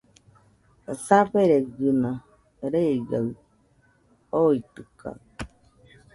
Saferegɨna reigaɨ oitɨkaɨ